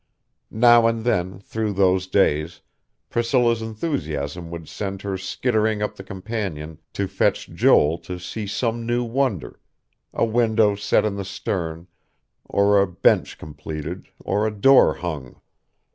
Now and then, through those days, Priscilla's enthusiasm would send her skittering up the companion to fetch Joel to see some new wonder a window set in the stern, or a bench completed, or a door hung.